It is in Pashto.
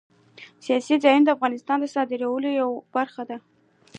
سیلاني ځایونه د افغانستان د صادراتو یوه برخه ده.